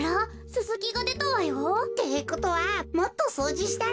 ススキがでたわよ。ってことはもっとそうじしたら。